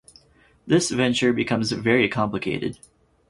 This venture becomes very complicated.